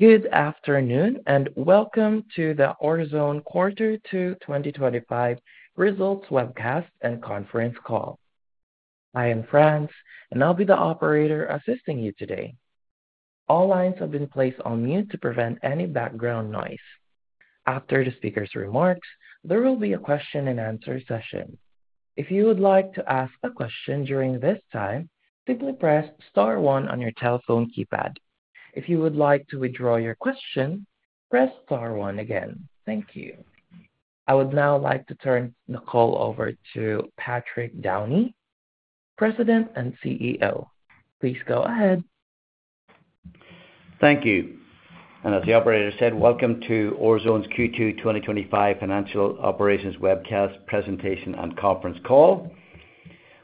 Good afternoon and welcome to the Orezone Gold Corporation Quarter Two 2025 Results Webcast and Conference Call. I am Franz, and I'll be the operator assisting you today. All lines have been placed on mute to prevent any background noise. After the speaker's remarks, there will be a question and answer session. If you would like to ask a question during this time, simply press star one on your telephone keypad. If you would like to withdraw your question, press star one again. Thank you. I would now like to turn the call over to Patrick Downey, President and CEO. Please go ahead. Thank you. As the operator said, welcome to Orezone's Q2 2025 Financial Operations Webcast Presentation and Conference Call.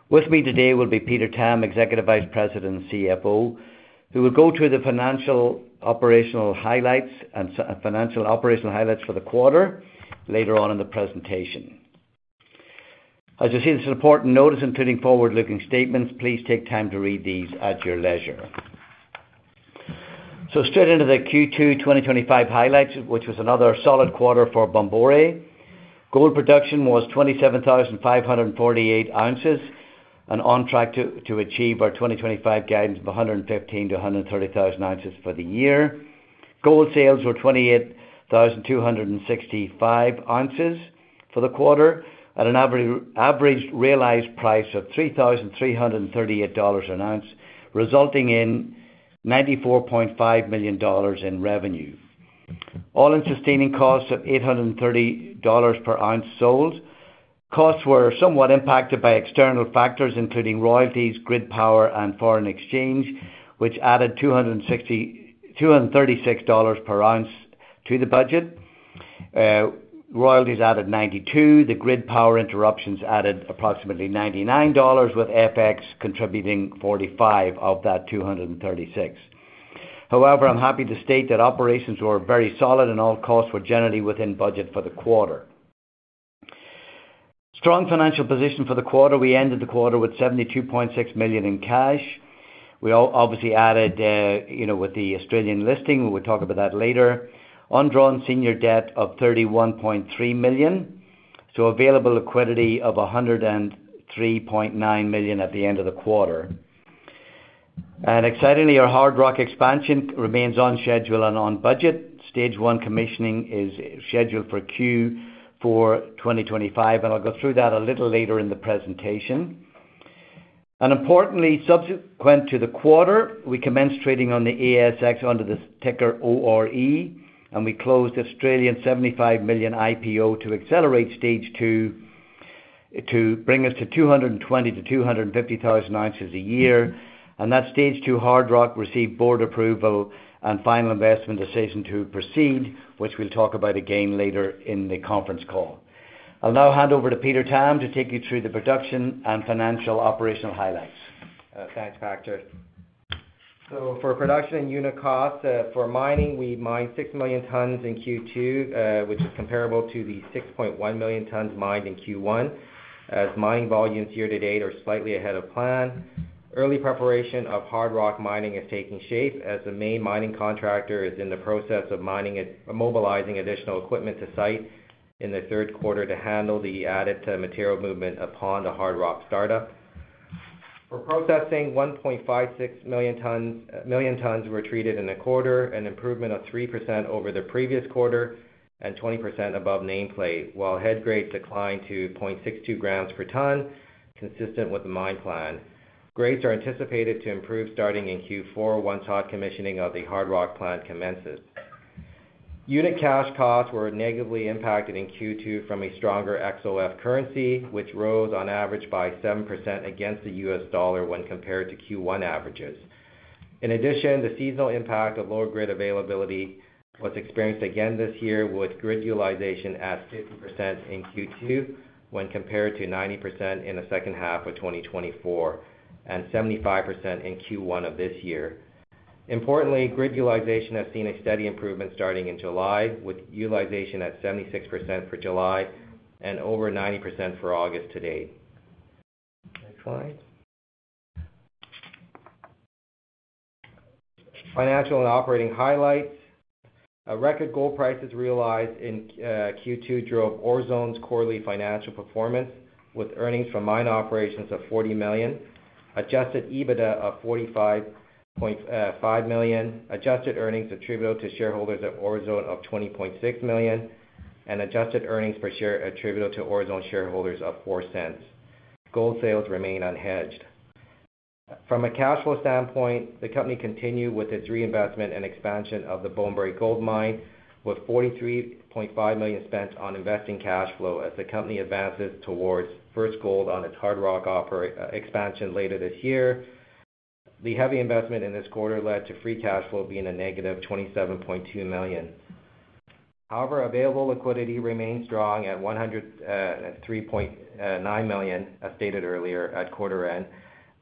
With me today will be Peter Tam, Executive Vice President and CFO, who will go through the financial operational highlights and financial operational highlights for the quarter later on in the presentation. As you see, this is an important notice including forward-looking statements. Please take time to read these at your leisure. Straight into the Q2 2025 highlights, which were another solid quarter for Bomboré. Gold production was 27,548 ounces, and on track to achieve our 2025 guidance of 115,000ounces-130,000 ounces for the year. Gold sales were 28,265 ounces for the quarter at an average realized price of $3,338 an ounce, resulting in $94.5 million in revenue. All-in sustaining costs of $830 per ounce sold. Costs were somewhat impacted by external factors, including royalties, grid power, and foreign exchange, which added $236 per ounce to the budget. Royalties added $92. The grid power interruptions added approximately $99, with FX contributing $45 of that $236. However, I'm happy to state that operations were very solid and all costs were generally within budget for the quarter. Strong financial position for the quarter. We ended the quarter with $72.6 million in cash. We obviously added, with the Australian listing, we'll talk about that later. Undrawn senior debt of $31.3 million. Available liquidity of $103.9 million at the end of the quarter. Excitingly, our hard rock expansion remains on schedule and on budget. Stage I commissioning is scheduled for Q4 2025, and I'll go through that a little later in the presentation. Importantly, subsequent to the quarter, we commenced trading on the ASX under the ticker ORE, and we closed an 75 million IPO to accelerate stage two to bring us to 220,000 50,000 ounces a year. That stage two hard rock received board approval and final investment decision to proceed, which we'll talk about again later in the conference call. I'll now hand over to Peter Tam to take you through the production and financial operational highlights. Thanks, Patrick. For production and unit costs, for mining, we mined 6 million tons in Q2, which is comparable to the 6.1 million tons mined in Q1. As mine volumes year to date are slightly ahead of plan, early preparation of Hard Rock mining is taking shape as the main mining contractor is in the process of mining and mobilizing additional equipment to site in the third quarter to handle the added material movement upon the Hard Rock startup. For processing, 1.56 million tons were treated in a quarter, an improvement of 3% over the previous quarter and 20% above nameplate, while head grade declined to 0.62 grams per ton, consistent with the mine plan. Grades are anticipated to improve starting in Q4 once hot commissioning of the Hard Rock plant commences. Unit cash costs were negatively impacted in Q2 from a stronger XOF currency, which rose on average by 7% against the US dollar when compared to Q1 averages. In addition, the seasonal impact of lower grid availability was experienced again this year with grid utilization at 50% in Q2 when compared to 90% in the second half of 2024 and 75% in Q1 of this year. Importantly, grid utilization has seen a steady improvement starting in July with utilization at 76% for July and over 90% for August to date. Next slide. Financial and operating highlights. Record gold prices realized in Q2 drove Orezone's quarterly financial performance with earnings from mine operations of $40 million, adjusted EBITDA of $45.5 million, adjusted earnings attributable to shareholders at Orezone of $20.6 million, and adjusted earnings per share attributable to Orezone shareholders of $0.04. Gold sales remained unhedged. From a cash flow standpoint, the company continued with its reinvestment and expansion of the Bomboré Gold Mine, with $43.5 million spent on investing cash flow as the company advances towards first gold on its hard rock expansion later this year. The heavy investment in this quarter led to free cash flow being a -$27.2 million. However, available liquidity remains strong at $103.9 million, as stated earlier at quarter end,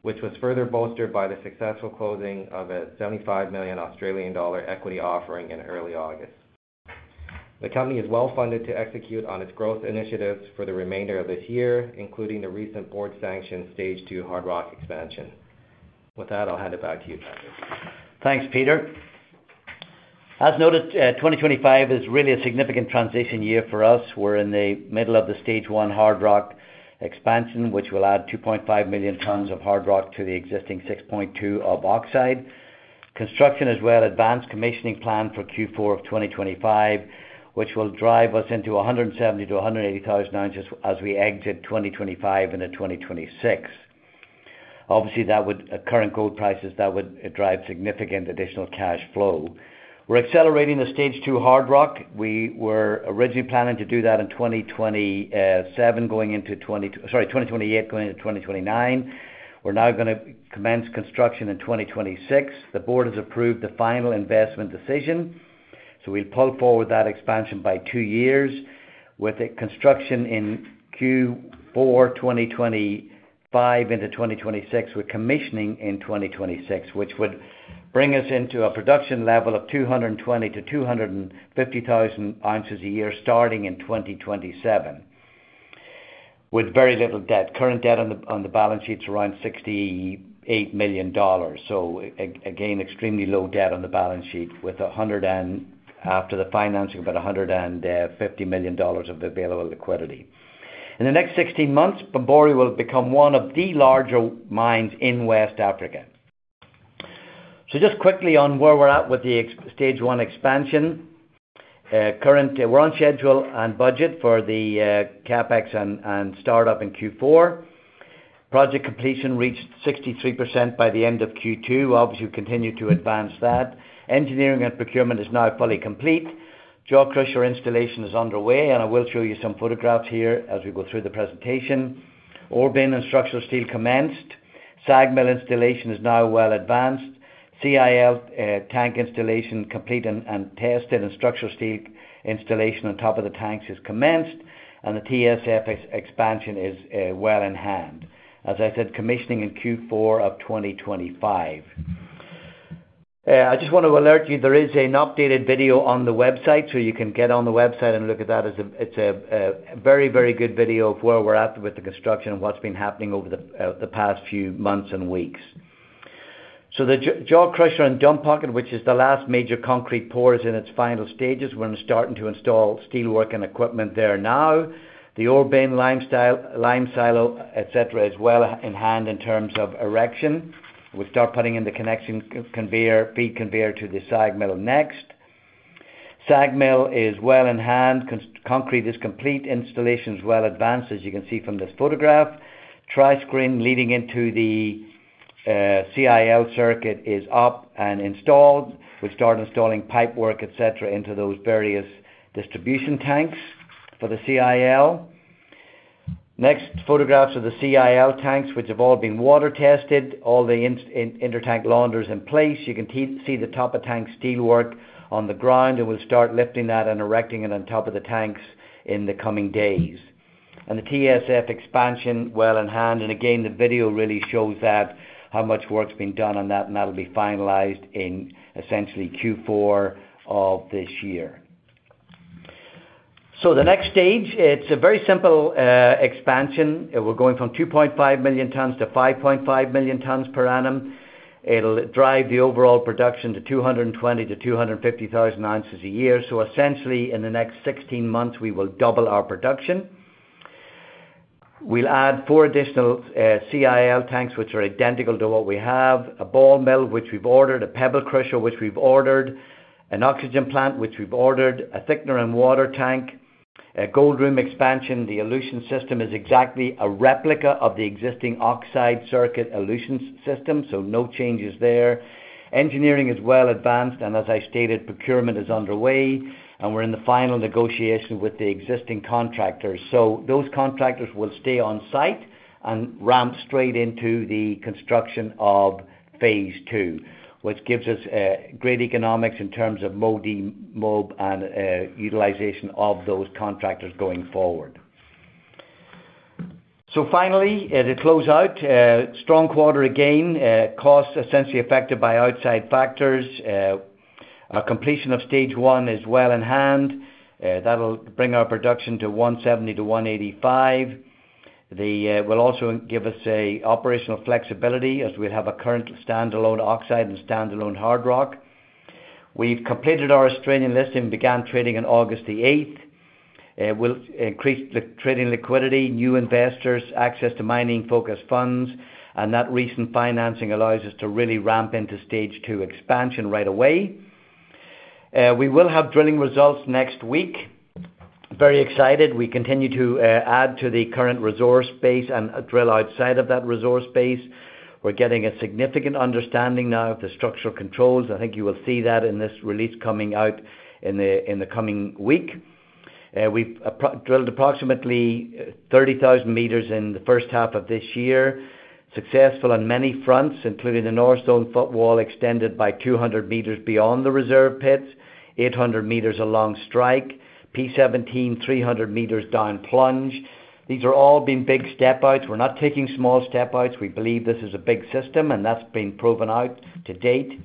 which was further bolstered by the successful closing of 75 million Australian dollar equity offering in early August. The company is well funded to execute on its growth initiatives for the remainder of this year, including the recently board-sanctioned Stage II hard rock expansion. With that, I'll hand it back to you, Patrick. Thanks, Peter. As noted, 2025 is really a significant transition year for us. We're in the middle of the Stage I hard rock expansion, which will add 2.5 million tons of hard rock to the existing 6.2 million tons of oxide. Construction as well. Advanced commissioning plan for Q4 of 2025, which will drive us into 170,000 ounces-180,000 ounces as we exit 2025 into 2026. Obviously, at current gold prices, that would drive significant additional cash flow. We're accelerating the Stage II hard rock. We were originally planning to do that in 2028 going into 2029. We're now going to commence construction in 2026. The board has approved the final investment decision. We'll pull forward that expansion by two years, with construction in Q4 2025 into 2026, with commissioning in 2026, which would bring us into a production level of 220,000 ounces-250,000 ounces a year starting in 2027. With very little debt, current debt on the balance sheet is around $68 million. Again, extremely low debt on the balance sheet with 100 and after the financing, about $150 million of available liquidity. In the next 16 months, Bomboré will become one of the larger mines in West Africa. Just quickly on where we're at with the Stage I expansion. Currently, we're on schedule and budget for the CapEx and startup in Q4. Project completion reached 63% by the end of Q2. We continue to advance that. Engineering and procurement is now fully complete. Jaw crusher installation is underway, and I will show you some photographs here as we go through the presentation. Ore bin and structural steel commenced. SAG mill installation is now well advanced. CIL tank installation complete and tested, and structural steel installation on top of the tanks has commenced. The TSF expansion is well in hand. As I said, commissioning in Q4 of 2025. I just want to alert you, there is an updated video on the website, so you can get on the website and look at that. It's a very, very good video of where we're at with the construction and what's been happening over the past few months and weeks. The jaw crusher and dump pocket, which is the last major concrete pour, is in its final stages. We're starting to install steelwork and equipment there now. The ore bin lime silo, et cetera, is well in hand in terms of erection. We'll start putting in the connection conveyor, feed conveyor to the SAG mill next. SAG mill is well in hand. Concrete is complete. Installation is well advanced, as you can see from this photograph. Trash screen leading into the CIL circuit is up and installed. We've started installing pipework, et cetera, into those various distribution tanks for the CIL. Next, photographs of the CIL tanks, which have all been water tested. All the intertank laundry is in place. You can see the top of the tank steelwork on the ground, and we'll start lifting that and erecting it on top of the tanks in the coming days. The TSF expansion is well in hand, and the video really shows how much work's been done on that, and that'll be finalized in essentially Q4 of this year. The next stage is a very simple expansion. We're going from 2.5 million tons to 5.5 million tons per annum. It'll drive the overall production to 220,000 ounces-250,000 ounces a year. Essentially, in the next 16 months, we will double our production. We'll add four additional CIL tanks, which are identical to what we have: a ball mill, which we've ordered; a pebble crusher, which we've ordered; an oxygen plant, which we've ordered; a thickener and water tank; a gold room expansion. The elution system is exactly a replica of the existing oxide circuit elution system, so no changes there. Engineering is well advanced, and as I stated, procurement is underway, and we're in the final negotiation with the existing contractors. Those contractors will stay on site and ramp straight into the construction of phase two, which gives us great economics in terms of MOB and utilization of those contractors going forward. Finally, to close out, strong quarter again, costs essentially affected by outside factors. Our completion of Stage I is well in hand. That'll bring our production to 170,000 ounces-185,000 ounces. It will also give us operational flexibility as we have a current standalone oxide and standalone hard rock. We've completed our Australian listing and began trading on August 8. We'll increase the trading liquidity, new investors, access to mining focus funds, and that recent financing allows us to really ramp into Stage II expansion right away. We will have drilling results next week. Very excited. We continue to add to the current resource base and drill outside of that resource base. We're getting a significant understanding now of the structural controls. I think you will see that in this release coming out in the coming week. We've drilled approximately 30,000 meters in the first half of this year, successful on many fronts, including the North Zone footwall extended by 200 meters beyond the reserve pits, 800 meters along strike, P17, 300 meters down plunge. These have all been big step outs. We're not taking small step outs. We believe this is a big system, and that's been proven out to date.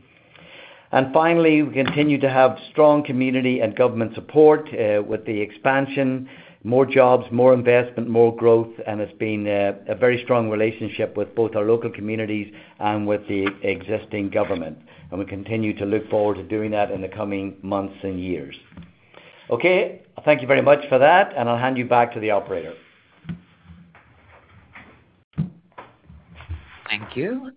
Finally, we continue to have strong community and government support with the expansion. More jobs, more investment, more growth, and it's been a very strong relationship with both our local communities and with the existing government. We continue to look forward to doing that in the coming months and years. Thank you very much for that, and I'll hand you back to the operator. Thank you.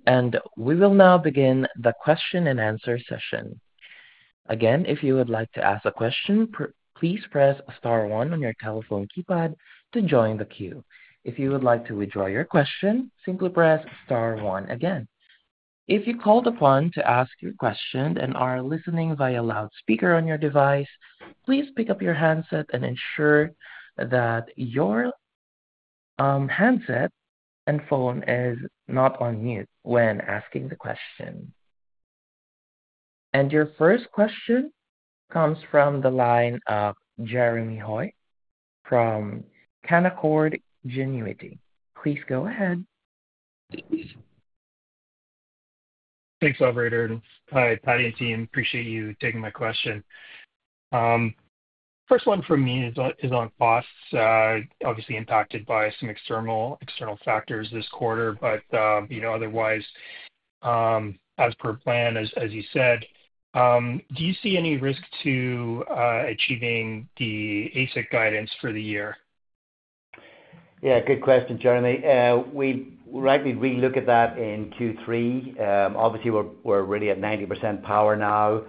We will now begin the question and answer session. If you would like to ask a question, please press star one on your telephone keypad to join the queue. If you would like to withdraw your question, simply press star one again. If you are called upon to ask your question and are listening via loudspeaker on your device, please pick up your handset and ensure that your handset and phone are not on mute when asking the question. Your first question comes from Jeremy Hoy from Canaccord Genuity. Please go ahead. Thanks, operator, and Patrick and team. Appreciate you taking my question. First one for me is on costs, obviously impacted by some external factors this quarter, but otherwise, as per plan, as you said. Do you see any risk to achieving the AISC guidance for the year? Yeah, good question, Jeremy. We'll likely relook at that in Q3. Obviously, we're really at 90% power now.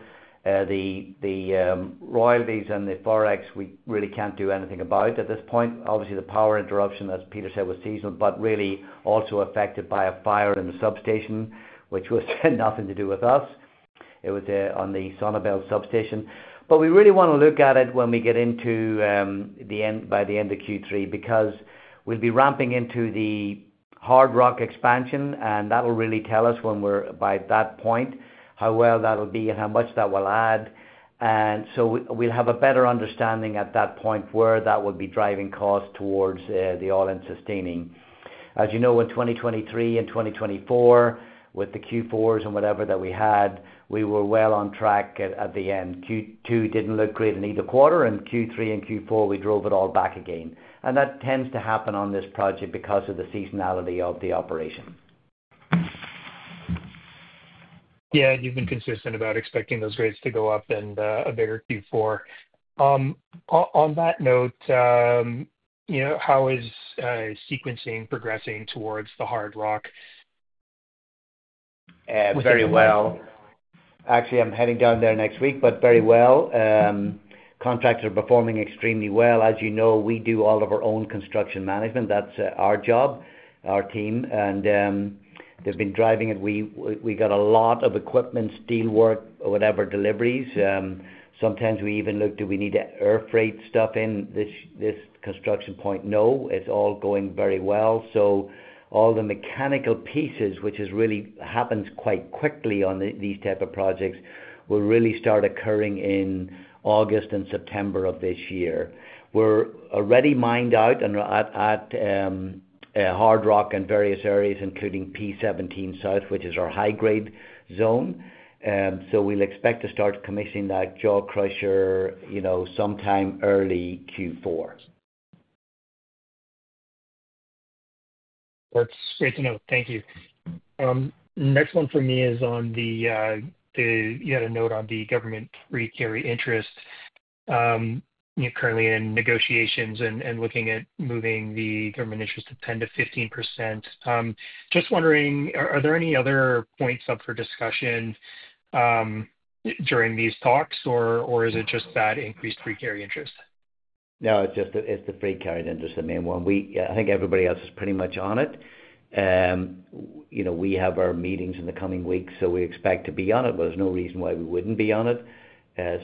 The royalties and the Forex, we really can't do anything about at this point. Obviously, the power interruption, as Peter said, was seasonal, but really also affected by a fire in the substation, which was nothing to do with us. It was on the SONABEL substation. We really want to look at it when we get into the end by the end of Q3 because we'll be ramping into the hard rock expansion, and that'll really tell us when we're by that point, how well that'll be and how much that will add. We'll have a better understanding at that point where that will be driving costs towards the all-in sustaining. As you know, in 2023 and 2024, with the Q4s and whatever that we had, we were well on track at the end. Q2 didn't look great in either quarter, and Q3 and Q4, we drove it all back again. That tends to happen on this project because of the seasonality of the operation. Yeah, and you've been consistent about expecting those grades to go up in a bigger Q4. On that note, you know, how is sequencing progressing towards the hard rock? Very well. Actually, I'm heading down there next week, but very well. Contractors are performing extremely well. As you know, we do all of our own construction management. That's our job, our team, and they've been driving it. We got a lot of equipment, steelwork, whatever deliveries. Sometimes we even looked, do we need to air freight stuff in this construction point? No, it's all going very well. All the mechanical pieces, which really happen quite quickly on these types of projects, will really start occurring in August and September of this year. We're already mined out at hard rock and various areas, including P17 South, which is our high-grade zone. We'll expect to start commissioning that jaw crusher sometime early Q4. That's good to know. Thank you. Next one for me is on the, you had a note on the government free carry interest. You're currently in negotiations and looking at moving the government interest to 10%-15%. Just wondering, are there any other points up for discussion during these talks, or is it just that increased free carry interest? No, it's just the free carry interest, the main one. I think everybody else is pretty much on it. You know we have our meetings in the coming weeks, so we expect to be on it. There's no reason why we wouldn't be on it.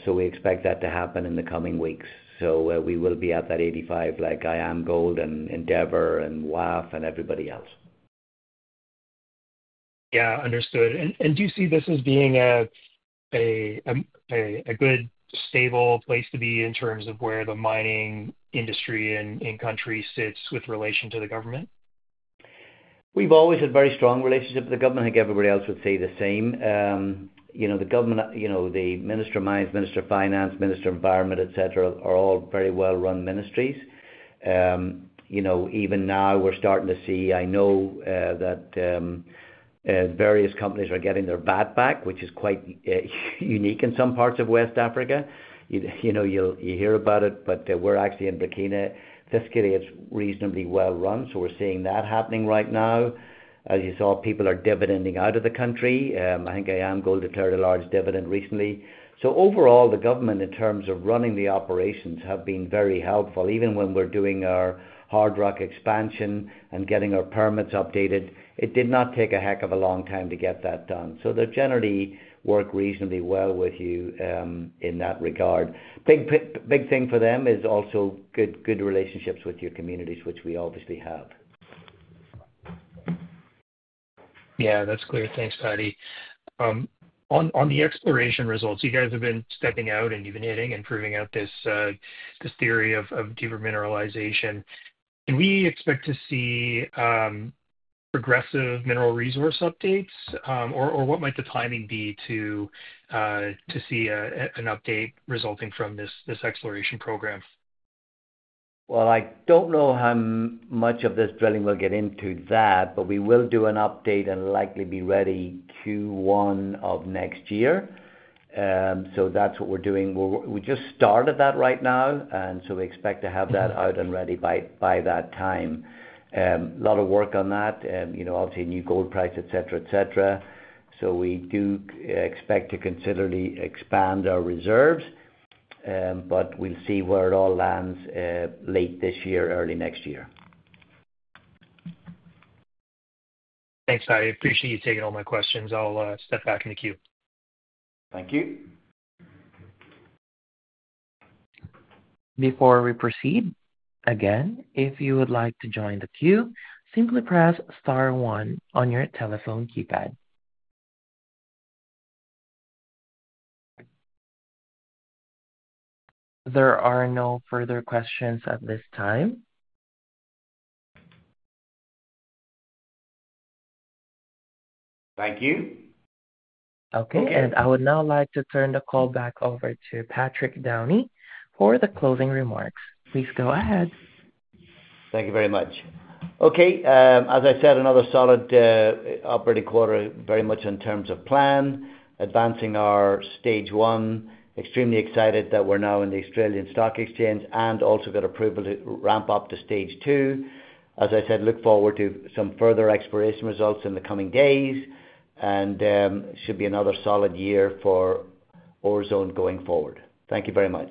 We expect that to happen in the coming weeks. We will be at that 85%, like IAMGOLD and Endeavour and WAF and everybody else. Yeah, understood. Do you see this as being a good, stable place to be in terms of where the mining industry in country sits with relation to the government? We've always had a very strong relationship with the government. I think everybody else would say the same. You know the government, you know the Minister of Mines, Minister of Finance, Minister of Environment, etc., are all very well-run ministries. Even now we're starting to see, I know that various companies are getting their VAT back, which is quite unique in some parts of West Africa. You hear about it, but we're actually in Burkina; it's reasonably well run. We're seeing that happening right now. As you saw, people are dividending out of the country. I think IAMGOLD declared a large dividend recently. Overall, the government, in terms of running the operations, have been very helpful. Even when we're doing our hard rock expansion and getting our permits updated, it did not take a heck of a long time to get that done. They generally work reasonably well with you in that regard. Big thing for them is also good relationships with your communities, which we obviously have. Yeah, that's clear. Thanks, Patrick. On the exploration results, you guys have been stepping out and you've been proving out this theory of deeper mineralization. Can we expect to see progressive mineral resource updates, or what might the timing be to see an update resulting from this exploration program? I don't know how much of this drilling we'll get into that, but we will do an update and likely be ready Q1 of next year. That's what we're doing. We just started that right now, and we expect to have that out and ready by that time. A lot of work on that, obviously a new gold price, et cetera, et cetera. We do expect to considerably expand our reserves, but we'll see where it all lands late this year, early next year. Thanks, Patrick. Appreciate you taking all my questions. I'll step back in the queue. Thank you. Before we proceed, again, if you would like to join the queue, simply press star one on your telephone keypad. There are no further questions at this time. Thank you. Okay. I would now like to turn the call back over to Patrick Downey for the closing remarks. Please go ahead. Thank you very much. Okay. As I said, another solid operating quarter, very much in terms of plan, advancing our Stage I. Extremely excited that we're now in the Australian Securities Exchange and also got approval to ramp up to Stage II. As I said, look forward to some further exploration results in the coming days, and it should be another solid year for Orezone going forward. Thank you very much.